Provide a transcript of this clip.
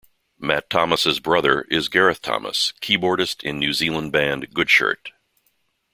Matt Thomas' brother is Gareth Thomas, keyboardist in New Zealand band Goodshirt.